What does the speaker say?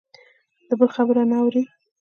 د بل خبرې نه اوري.